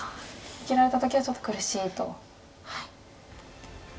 生きられた時はちょっと苦しいと。